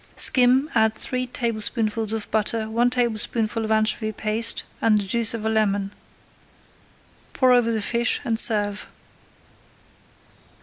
Skim, add three tablespoonfuls of butter, one tablespoonful of anchovy paste, and the juice of a lemon. Pour over the fish and serve.